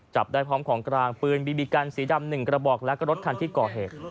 จับได้พร้อมของกลางปืนบีบีกันสีดำ๑กระบอกแล้วก็รถคันที่ก่อเหตุ